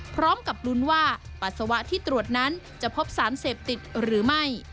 พร้อมกับลุ้นว่าปัสสาวะที่ตรวจนั้นจะพบสารเสพติดหรือไม่